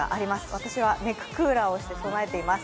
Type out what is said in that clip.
私はネッククーラーをして備えています。